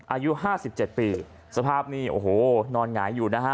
อายุห้าสิบเจ็ดปีสภาพนี่โอ้โหนอนหงายอยู่นะฮะ